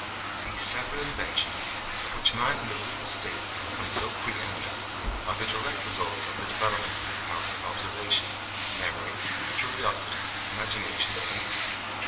These several inventions, by which man in the rudest state has become so pre eminent, are the direct results of the development of his powers of observation, memory, curiosity, imagination, and reason.